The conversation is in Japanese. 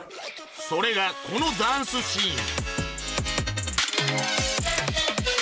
それがこのダンスシーン